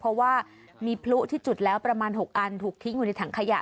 เพราะว่ามีพลุที่จุดแล้วประมาณ๖อันถูกทิ้งอยู่ในถังขยะ